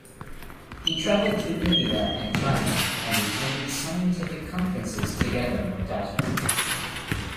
He traveled to India and China and attended scientific conferences to gather more data.